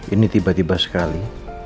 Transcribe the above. ini tiba tiba sekali